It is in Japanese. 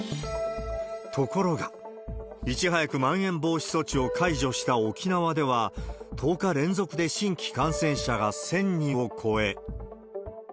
ところが、いち早くまん延防止措置を解除した沖縄では、１０日連続で新規感染者が１０００人を超え。